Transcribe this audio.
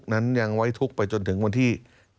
นั้นยังไว้ทุกข์ไปจนถึงวันที่